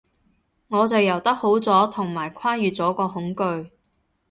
我就游得好咗，同埋跨越咗個恐懼